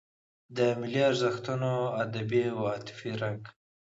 د ملي ارزښتونو ادبي او عاطفي رنګ.